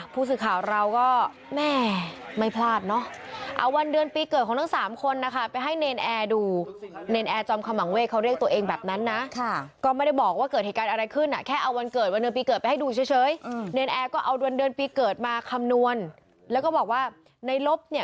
ผู้สื่อข่าวเราก็แม่